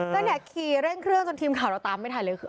ก็เนี่ยขี่เร่งเครื่องจนทีมข่าวเราตามไม่ทันเลยคือ